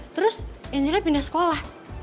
terus angelnya pindah sekolah